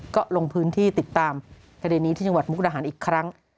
ก็ลงพื้นที่ติดตามคดีนี้ที่จังหวัดมุกดาหารอีกครั้ง